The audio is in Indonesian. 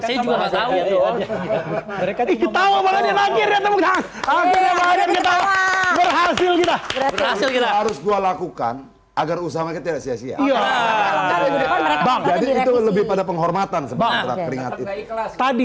berhasil kita harus gua lakukan agar usaha kita siap lebih pada penghormatan sebab tadi